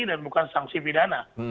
dan bukan sanksi pidana